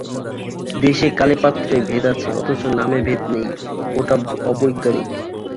দেশে কালে পাত্রে ভেদ আছে অথচ নামে ভেদ নেই ওটা অবৈজ্ঞানিক।